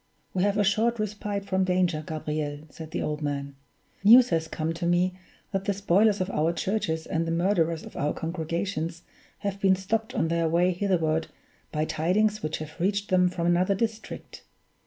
"We have a short respite from danger, Gabriel," said the old man. "News has come to me that the spoilers of our churches and the murderers of our congregations have been stopped on their way hitherward by tidings which have reached them from another district.